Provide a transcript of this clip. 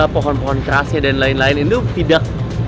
pohon pohon kerasnya dan lain lain itu tidak